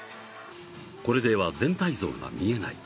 これでは全体像が見えない。